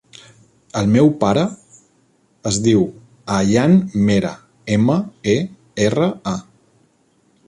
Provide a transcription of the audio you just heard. El meu pare es diu Ayaan Mera: ema, e, erra, a.